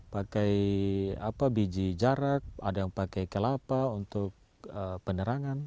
pakai biji jarak ada yang pakai kelapa untuk penerangan